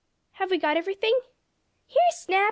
"Have we got everything?" "Here, Snap!